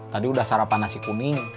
tadi udah sarapan nasi kuning